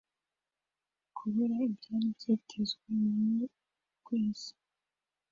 Kubura ibyari byitezwe mu uruko kwezi